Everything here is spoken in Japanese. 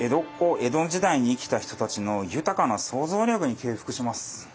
江戸時代に生きた人たちの豊かな想像力に敬服します。